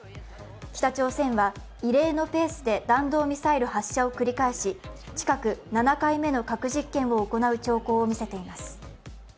北朝鮮は異例のペースで弾道ミサイル発射を繰り返し近く７回目の核実験を行う兆候を見せています。